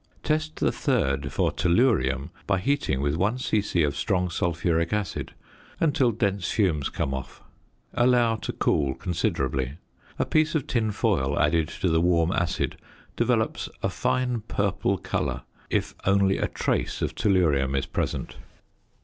Test the third for tellurium by heating with 1 c.c. of strong sulphuric acid until dense fumes come off; allow to cool considerably; a piece of tin foil added to the warm acid develops a fine purple colour if only a trace of tellurium is present.